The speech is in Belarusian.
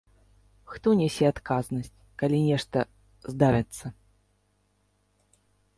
Хто нясе адказнасць, калі нешта здарыцца?